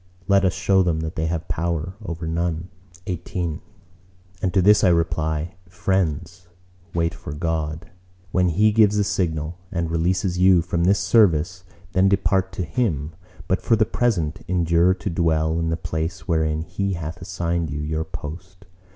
Let us show them that they have power over none." XVIII And to this I reply:— "Friends, wait for God. When He gives the signal, and releases you from this service, then depart to Him. But for the present, endure to dwell in the place wherein He hath assigned you your post.